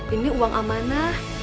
ini uang amanah